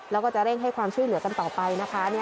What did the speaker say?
แล้วก็จะเร่งให้ความช่วยเหลือกันต่อไปนะคะ